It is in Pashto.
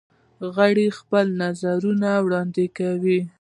غړي خپل نظرونه وړاندې کوي.